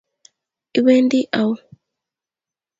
Iwendi au?